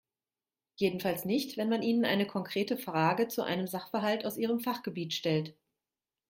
Jedenfalls nicht, wenn man ihnen eine konkrete Frage zu einem Sachverhalt aus ihrem Fachgebiet stellt.